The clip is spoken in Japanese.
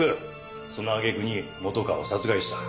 そのあげくに本川を殺害した。